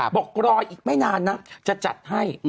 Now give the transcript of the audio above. บอกรออีกไม่นานนะจะจัดให้